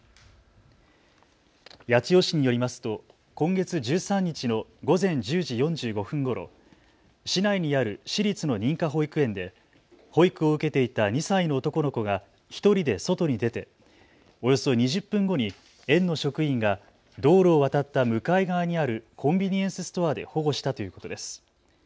八千代市によりますと今月１３日の午前１０時４５分ごろ市内にある私立の認可保育園で保育を受けていた２歳の男の子が１人で外に出ておよそ２０分後に園の職員が道路を渡った向かい側にあるコンビニエンスストアで保護したということです。